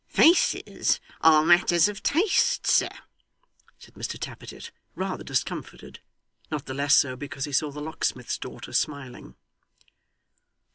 'Faces are matters of taste, sir,' said Mr Tappertit, rather discomfited; not the less so because he saw the locksmith's daughter smiling.